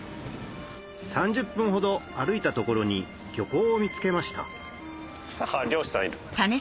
３０分ほど歩いたところに漁港を見つけました漁師さんいる。